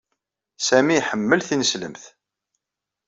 Samy iḥemmel tineslemt.